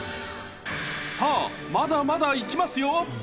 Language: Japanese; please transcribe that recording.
さあ、まだまだいきますよ。